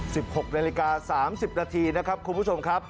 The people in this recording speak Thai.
หกนาฬิกาสามสิบนาทีนะครับคุณผู้ชมครับ